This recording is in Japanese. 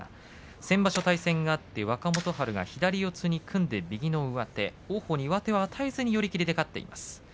先場所、対戦が若元春が左四つに組んで右の上手王鵬に上手を与えず右の寄り切りで勝っています。